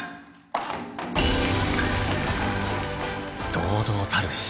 ［堂々たる姿］